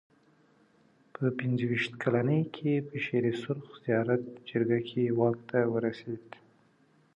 په پنځه ویشت کلنۍ کې په شېر سرخ زیارت جرګه کې واک ته ورسېد.